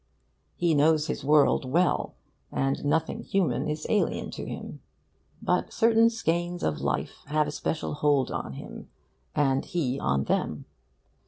He knows his world well, and nothing human is alien to him, but certain skeins of life have a special hold on him, and he on them.